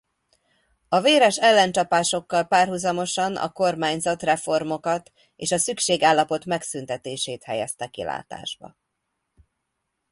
A véres ellencsapásokkal párhuzamosan a kormányzat reformokat és a szükségállapot megszüntetését helyezte kilátásba.